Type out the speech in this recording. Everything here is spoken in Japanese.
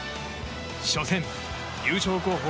初戦、優勝候補